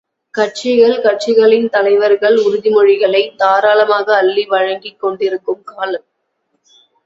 கட்சிகள் கட்சிகளின் தலைவர்கள் உறுதிமொழிகளைத் தாராளமாக அள்ளி வழங்கிக் கொண்டிருக்கும் காலம்!